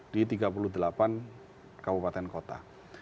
di tiga puluh delapan kabupaten kota